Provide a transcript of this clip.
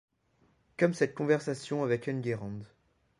Comme cette conversation avec Enguerrand.